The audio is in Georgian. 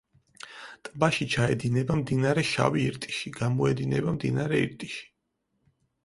ტბაში ჩაედინება მდინარე შავი ირტიში, გამოედინება მდინარე ირტიში.